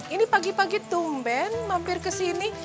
ini pagi pagi tumben mampir kesini